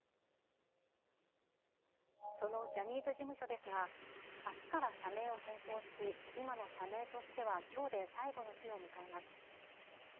そのジャニーズ事務所ですが、あすから社名を変更し、今の社名としてはきょうで最後の日を迎えます。